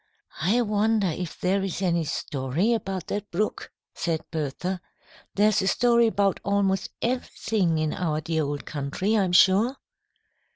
"I wonder if there is any story about that brook," said Bertha. "There's a story about almost everything in our dear old country, I'm sure."